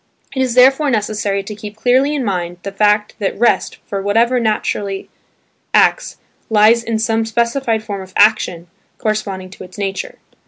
It is therefore necessary to keep clearly in mind the fact that rest for whatever naturally acts, lies in some specified form of action, corresponding to its nature.